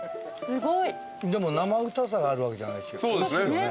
でも生臭さがあるわけじゃないしおいしいよね。